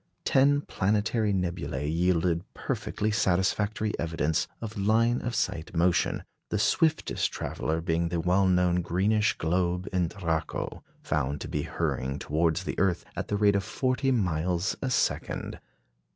Ten planetary nebulæ yielded perfectly satisfactory evidence of line of sight motion, the swiftest traveller being the well known greenish globe in Draco, found to be hurrying towards the earth at the rate of forty miles a second.